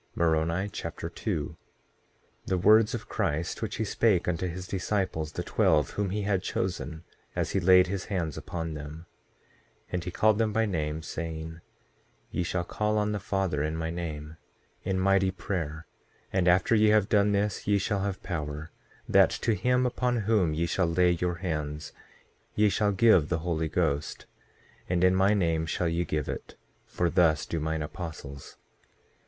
Moroni Chapter 2 2:1 The words of Christ, which he spake unto his disciples, the twelve whom he had chosen, as he laid his hands upon them— 2:2 And he called them by name, saying: Ye shall call on the Father in my name, in mighty prayer; and after ye have done this ye shall have power that to him upon whom ye shall lay your hands, ye shall give the Holy Ghost; and in my name shall ye give it, for thus do mine apostles.